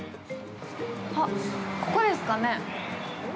あっ、ここですかね？